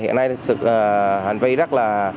hiện nay hành vi rất là